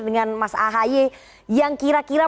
dengan mas ahy yang kira kira